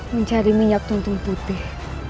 mencari minyak tuntung putih